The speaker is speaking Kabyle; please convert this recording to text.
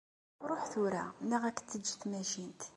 Ṛuḥ tura, neɣ ad k-teǧǧ tmacint.